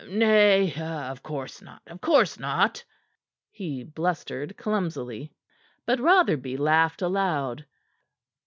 "Nay, of course not; of course not," he blustered clumsily. But Rotherby laughed aloud.